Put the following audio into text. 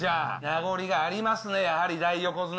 名残がありますね、やはり大横綱。